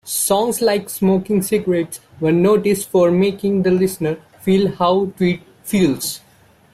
Songs like "Smoking Cigarettes" were noticed for making the listener feel how Tweet feels.